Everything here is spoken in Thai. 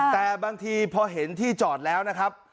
แต่บางทีพอเห็นที่จอดแล้วนะครับ